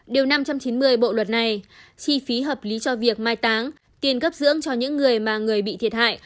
điều năm trăm chín mươi bộ luật này chi phí hợp lý cho việc mai táng tiền gấp dưỡng cho những người mà người bị thiệt hại